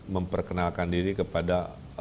memperkenalkan diri kepada